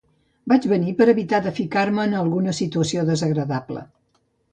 Vaig venir per evitar ficar-me en alguna situació desagradable.